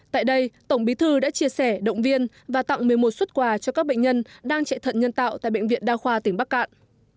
tại đây tổng bí thư đã chia sẻ động viên và tặng một mươi một xuất quà cho các bệnh nhân đang chạy thận nhân tạo tại bệnh viện đa khoa tỉnh bắc cạn